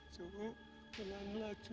cu pulanglah cu